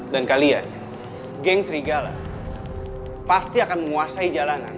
kalian geng serigala pasti akan menguasai jalanan